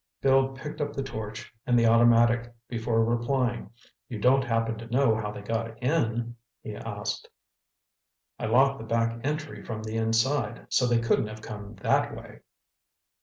Bill picked up the torch and the automatic before replying. "You don't happen to know how they got in?" he asked. "I locked the back entry from the inside, so they couldn't have come that way."